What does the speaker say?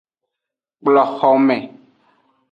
Kplo xome.